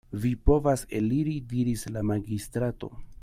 Vi povas eliri, diris la magistrato.